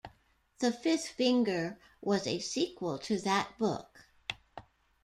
"The Fifth Finger" was a sequel to that book.